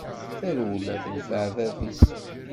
Tarewla tenfeε bab-is.